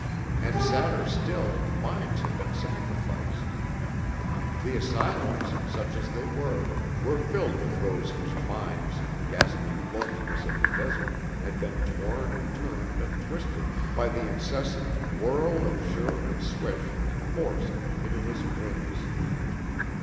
And, sadder still, minds had been sacrificed. The asylums, such as they were, were filled with those whose minds in the ghastly loneliness of the desert had been torn and turned and twisted by the incessant whirl and shirr and swish and force of the pitiless winds.